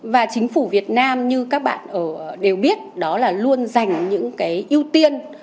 và chính phủ việt nam như các bạn đều biết đó là luôn dành những cái ưu tiên